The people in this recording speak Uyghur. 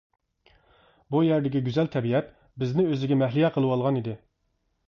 بۇ يەردىكى گۈزەل تەبىئەت بىزنى ئۆزىگە مەھلىيا قىلىۋالغان ئىدى.